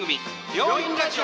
「病院ラジオ」。